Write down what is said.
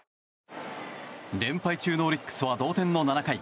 連敗中のオリックスは同点の７回。